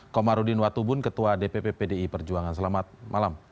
komarudin watubun ketua dpp pdi perjuangan selamat malam